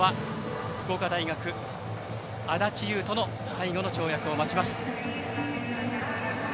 あとは福岡大学、安立雄斗の最後の跳躍を待ちます。